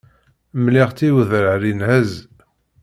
Mliɣ-tt i udrar inhez.